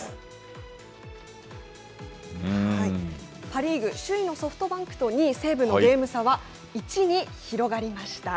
パ・リーグ、首位のソフトバンクと２位西武のゲーム差は１に広がりました。